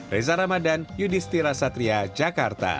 reza ramadan yudhistira satria jakarta